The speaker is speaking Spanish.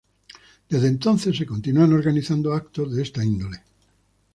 Desde entonces se continúan organizando actos de esta índole.